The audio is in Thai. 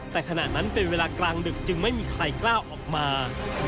แต่ขณะนั้นเป็นเวลากลางดึกจึงไม่มีใครกล้าออกมา